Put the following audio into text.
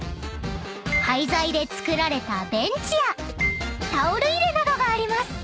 ［廃材で作られたベンチやタオル入れなどがあります］